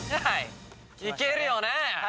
いけるよね？